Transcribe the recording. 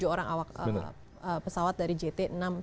tujuh orang awak pesawat dari jt enam ratus sepuluh